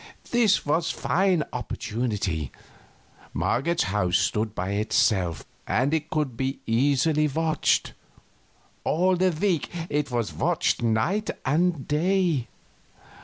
This was a fine opportunity. Marget's house stood by itself, and it could be easily watched. All the week it was watched night and day.